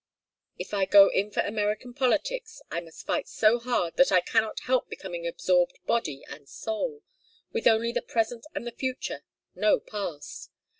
If I go in for American politics, I must fight so hard that I cannot help becoming absorbed body and soul; with only the present and the future no past.